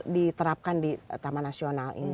diterapkan di taman nasional ini